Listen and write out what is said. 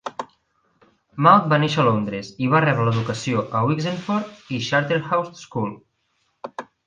Maude va néixer a Londres i va rebre l'educació a Wixenford i Charterhouse School.